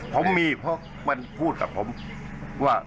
ผมมีเพราะมันพูดกับผมว่า